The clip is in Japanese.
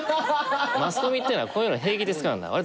マスコミっていうのはこういうの平気で使うんだ。